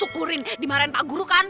syukurin dimarahin pak guru kan